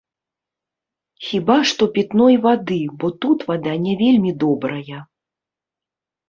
Хіба што пітной вады, бо тут вада не вельмі добрая.